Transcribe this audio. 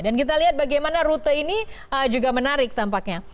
dan kita lihat bagaimana rute ini juga menarik tampaknya